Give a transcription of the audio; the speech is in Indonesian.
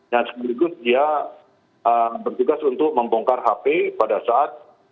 dan seberikutnya dia berjugas untuk membongkar hp pada saat